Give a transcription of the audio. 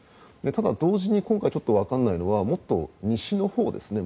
ただ、同時に今回ちょっとわからないのはもっと西のほうですね。